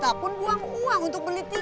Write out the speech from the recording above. bapak sudah kembali ke sekolah